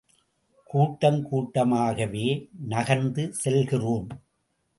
கூட்டம் கூட்டமாகவே நகர்ந்து செல்கிறோம்.